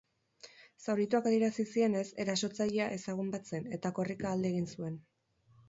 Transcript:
Zaurituak adierazi zienez, erasotzailea ezagun bat zen eta korrika alde egin zuen.